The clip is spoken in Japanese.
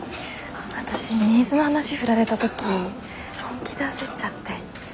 わたしニーズの話振られた時本気で焦っちゃって。